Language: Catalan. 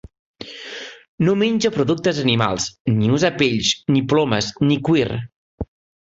No menja productes animals ni usa pells ni plomes ni cuir.